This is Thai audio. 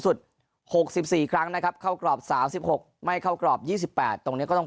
สุด๖๔ครั้งนะครับเข้ากรอบ๓๖ไม่เข้ากรอบ๒๘ตรงนี้ก็ต้อง